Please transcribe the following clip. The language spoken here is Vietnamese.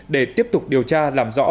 để tiếp tục điều tra làm rõ